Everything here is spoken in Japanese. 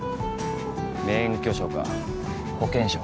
免許証か保険証は。